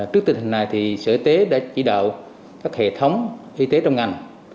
trước tình hình này sở y tế đã chỉ đạo các hệ thống y tế trong ngành